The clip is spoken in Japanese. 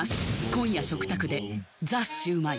今夜食卓で「ザ★シュウマイ」